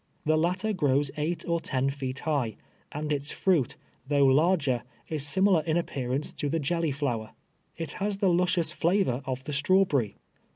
The latter grows eight or ten feet high, and its fruit, though lar ger, is similar in appearance to the jelly flower. It has the luscious flaA^or of the strawberry.